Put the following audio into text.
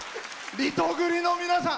リトグリの皆さん